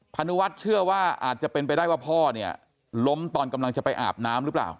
นุวัฒน์เชื่อว่าอาจจะเป็นไปได้ว่าพ่อเนี่ยล้มตอนกำลังจะไปอาบน้ำหรือเปล่า